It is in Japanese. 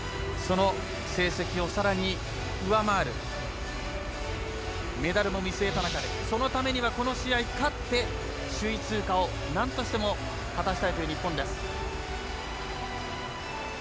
その成績をさらに上回るメダルも見据えた中でそのためには、この試合勝って、首位通過をなんとしても果たしたいという日本です。